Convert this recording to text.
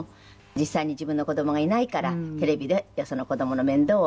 実際に自分の子どもがいないからテレビでよその子どもの面倒を見る。